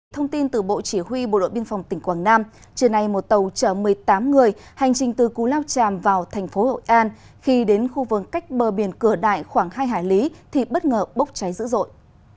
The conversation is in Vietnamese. thông tin từ bộ chỉ huy bộ đội biên phòng tỉnh quảng nam trưa nay một tàu chở một mươi tám người hành trình từ cú lao tràm vào thành phố hội an khi đến khu vườn cách bờ biển cửa đại khoảng hai hải lý thì bất ngờ bốc cháy dữ dội